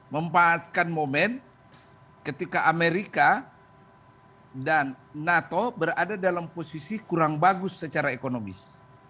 memanfaatkan momen ketika amerika dan nato berada dalam posisi kurang bagus secara ekonomis